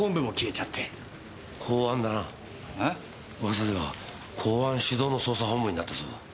噂では公安主導の捜査本部になったそうだ。